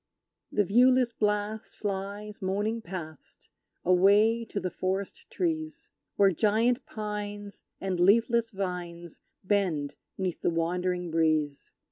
The viewless blast flies moaning past, Away to the forest trees; Where giant pines and leafless vines Bend 'neath the wandering breeze!